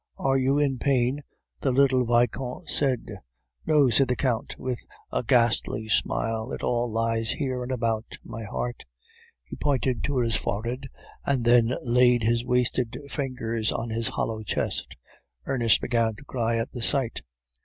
"'Are you in pain?' the little Vicomte asked. "'No,' said the Count, with a ghastly smile, 'it all lies here and about my heart!' "He pointed to his forehead, and then laid his wasted fingers on his hollow chest. Ernest began to cry at the sight.